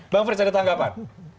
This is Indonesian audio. bang frits ada tanggapan